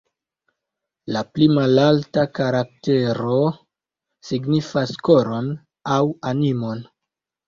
La pli malalta karaktero signifas "koron" aŭ "animon".